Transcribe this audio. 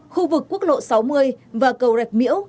khu vực quốc lộ sáu mươi và cầu rạch miễu